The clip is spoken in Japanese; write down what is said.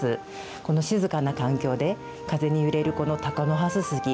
この静かな環境で風に揺れるこのタカノハススキ。